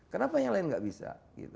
kenapa yang lain nggak bisa